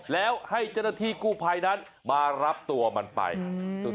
แล้วให้เจนทีกู้ภัยนั้นมารับตัวมันไปอืม